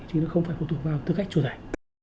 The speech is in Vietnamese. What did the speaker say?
chứ nó không phải phụ thuộc vào tư cách chủ thể